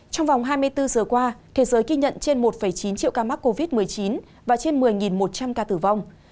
trong vòng hai mươi bốn giờ qua thế giới ghi nhận trên một chín triệu ca mắc covid một mươi chín và trên một mươi một trăm linh ca tử vong